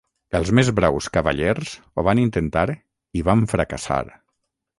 Els més braus cavallers ho van intentar i van fracassar.